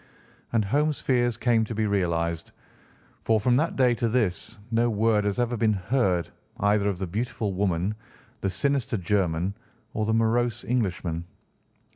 And Holmes' fears came to be realised, for from that day to this no word has ever been heard either of the beautiful woman, the sinister German, or the morose Englishman.